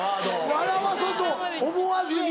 笑わそうと思わずに。